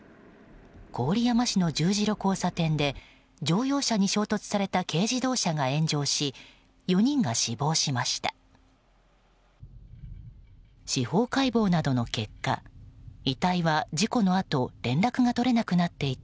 郡山市の十字路交差点で乗用車に衝突された軽自動車が炎上し４人が死亡しました。